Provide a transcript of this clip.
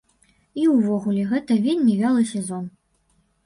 І ўвогуле гэта вельмі вялы сезон.